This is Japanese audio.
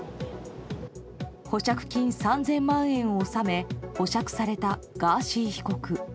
保釈金３０００万円を納め保釈されたガーシー被告。